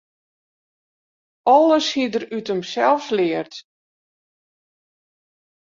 Alles hie er út himsels leard.